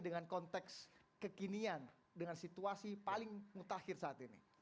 dengan konteks kekinian dengan situasi paling mutakhir saat ini